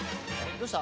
どうした？